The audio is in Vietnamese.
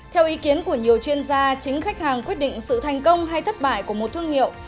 theo ý kiến của nhiều chuyên gia chính khách hàng quyết định sự thành công hay thất bại của một thương hiệu